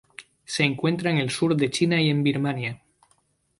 Se encuentra en el sur de China y en Birmania.